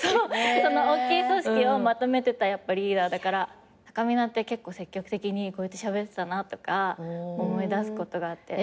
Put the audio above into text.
おっきい組織をまとめてたやっぱリーダーだからたかみなって結構積極的にこうやってしゃべってたなとか思い出すことがあって。